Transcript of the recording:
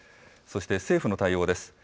そして政府の対応です。